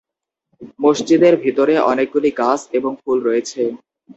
মসজিদের ভিতরে অনেকগুলি গাছ এবং ফুল রয়েছে।